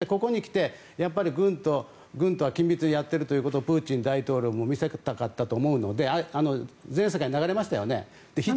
ここにきて、軍とは緊密にやってるということをプーチン大統領も見せたかったと思うので全世界に流れましたよね。